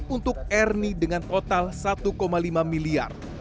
untuk ernie dengan total satu lima miliar